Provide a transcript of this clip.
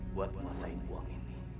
buat mengasahin buang ini